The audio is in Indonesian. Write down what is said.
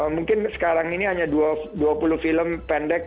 mungkin sekarang ini hanya dua puluh film pendek